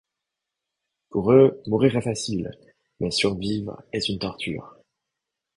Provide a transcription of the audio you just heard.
Pour eux, mourir est facile, mais survivre est une torture...